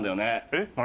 えっ何？